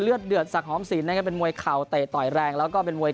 เดือดสักหอมศิลปนะครับเป็นมวยเข่าเตะต่อยแรงแล้วก็เป็นมวย